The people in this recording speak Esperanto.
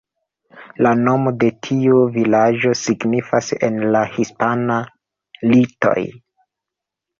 La nomo de tiu vilaĝo signifas en la hispana "Litoj".